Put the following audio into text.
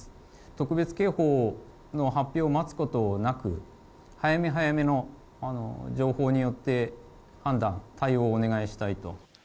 特別警報の発表を待つことなく、早め早めの情報によって、判断、対応をお願いしたいと。